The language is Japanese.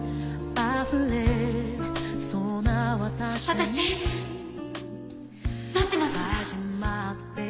私待ってますから。